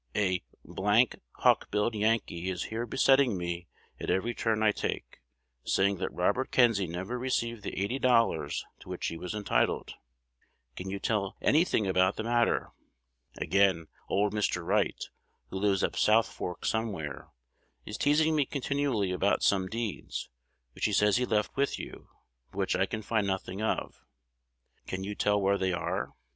A d d hawk billed Yankee is here besetting me at every turn I take, saying that Robert Kenzie never received the eighty dollars to which he was entitled. Can you tell any thing about the matter? Again, old Mr. Wright, who lives up South Fork somewhere, is teasing me continually about some deeds, which he says he left with you, but which I can find nothing of. Can you tell where they are?